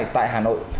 tại hà nội